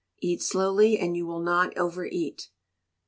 Eat slowly and you will not overeat.